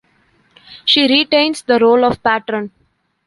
She retains the role of patron.